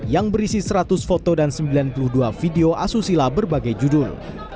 yang berisi seratus foto dan sembilan puluh dua video asusila berbagai judul